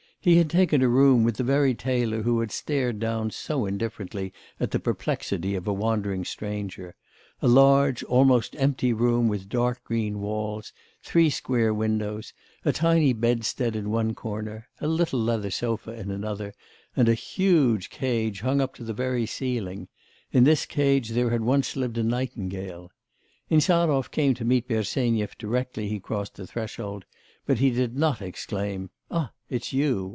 He had taken a room with the very tailor who had stared down so indifferently at the perplexity of a wandering stranger; a large, almost empty room, with dark green walls, three square windows, a tiny bedstead in one corner, a little leather sofa in another, and a huge cage hung up to the very ceiling; in this cage there had once lived a nightingale. Insarov came to meet Bersenyev directly he crossed the threshold, but he did not exclaim, 'Ah, it's you!